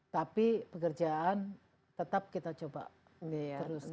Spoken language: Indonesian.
tapi pekerjaan tetap kita coba teruskan